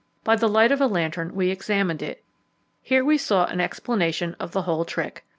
By the light of a lantern we examined it. Here we saw an explanation of the whole trick.